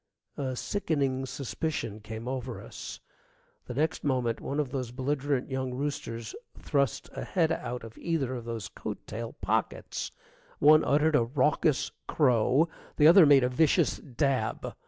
A sickening suspicion came over us. The next moment one of those belligerent young roosters thrust a head out of either of those coat tail pockets. One uttered a raucous crow, the other made a vicious dab.